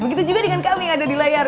begitu juga dengan kami yang ada di layar